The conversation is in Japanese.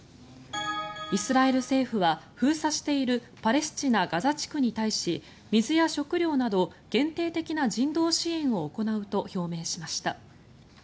イスラエル政府は、封鎖しているパレスチナ・ガザ地区に対し水や食料など限定的な人道支援を行うと表明しました。